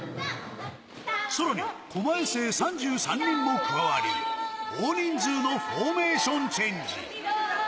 さらに狛江生３３人も加わり、大人数のフォーメーションチェンジ。